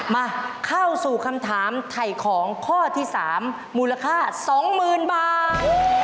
มาเข้าสู่คำถามไถ่ของข้อที่๓มูลค่า๒๐๐๐บาท